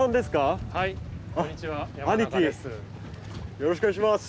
よろしくお願いします。